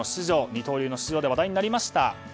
二刀流の出場で話題になりました。